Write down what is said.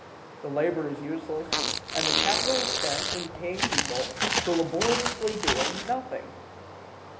The labor is useless, and the capital is spent in paying people for laboriously doing nothing.